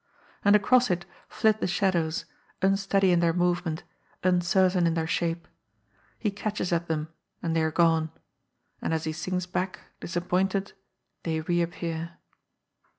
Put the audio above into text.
And across it flit the shadows, unsteady in their movement, uncertain in their shape. He catches at them, and they are gone. And as he sinks back, disappointed, they reappear.